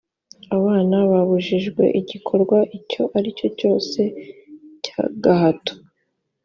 abana babujijwe igikorwa icyo ari cyo cyose cy agahato